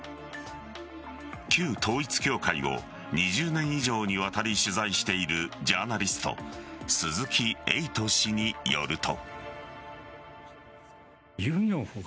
旧統一教会を２０年以上にわたり取材しているジャーナリスト鈴木エイト氏によると。